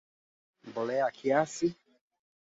baada ya kuvunjika kwa mkataba